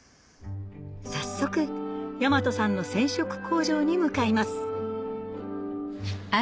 早速大和さんの染色工場に向かいます